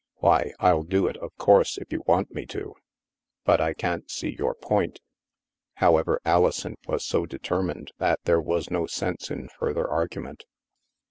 " Why, I'll do it, of course, if you want me to. But I can't see your point." However, Alison was so determined that there was no sense in further argument.